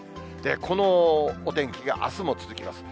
このお天気があすも続きます。